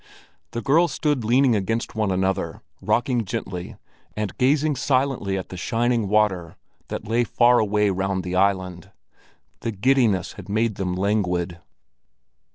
The girls stood leaning against one another, rocking gently and gazing silently at the shining water that lay far away round the island. The giddiness had made them languid.